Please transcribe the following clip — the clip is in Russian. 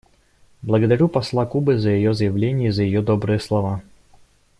Благодарю посла Кубы за ее заявление и за ее добрые слова.